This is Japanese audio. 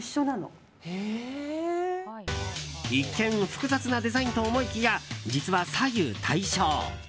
一見複雑なデザインと思いきや実は左右対称。